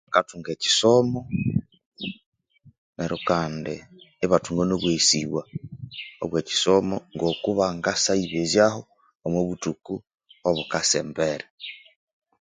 Bakathunga ekisomo neryo Kandi ibathunga nobweghesibwa obwe kisomo ngakubangasyayibezyaho omwabuthuku obukasa embere